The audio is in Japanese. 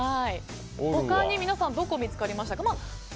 他に皆さんどこ見つかりましたかね。